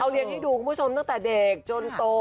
เลี้ยงให้ดูคุณผู้ชมตั้งแต่เด็กจนโต